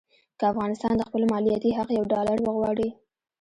که افغانستان د خپل مالیاتي حق یو ډالر وغواړي.